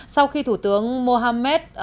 sau khi thủ tướng mohammed